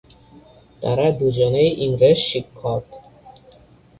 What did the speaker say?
তারা দুজনেই ইংরেজ শিক্ষক।